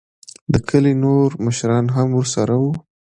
دکلي نوور مشران هم ورسره وو.